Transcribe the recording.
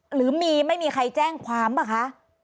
หรือมีไม่มีใครแจ้งความป่ะคะ